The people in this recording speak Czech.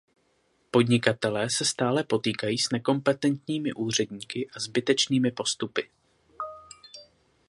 Podnikatelé se stále potýkají s nekompetentními úředníky a zbytečnými postupy.